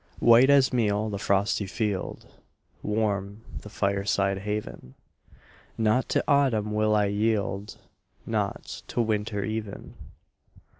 White as meal the frosty field Warm the fireside haven Not to autumn will I yield, Not to winter even!